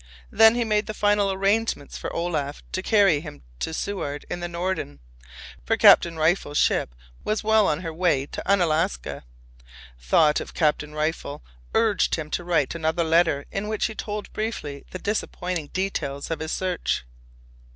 Then he made the final arrangements for Olaf to carry him to Seward in the Norden, for Captain Rifle's ship was well on her way to Unalaska. Thought of Captain Rifle urged him to write another letter in which he told briefly the disappointing details of his search.